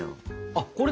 あっこれ？